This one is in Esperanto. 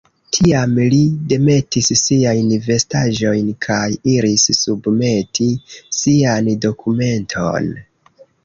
Tiam, li demetis siajn vestaĵojn kaj iris submeti sian dokumenton.